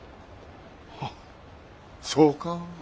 あっそうか。